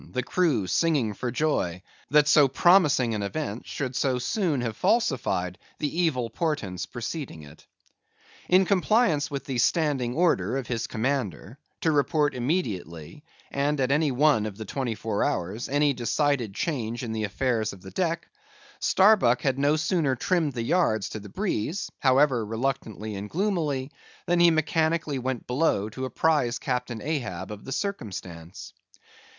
_" the crew singing for joy, that so promising an event should so soon have falsified the evil portents preceding it. In compliance with the standing order of his commander—to report immediately, and at any one of the twenty four hours, any decided change in the affairs of the deck,—Starbuck had no sooner trimmed the yards to the breeze—however reluctantly and gloomily,—than he mechanically went below to apprise Captain Ahab of the circumstance.